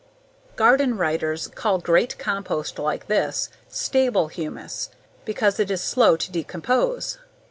Garden writers call great compost like this, "stable humus," because it is slow to decompose.